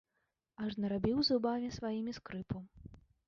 Аж нарабіў зубамі сваімі скрыпу.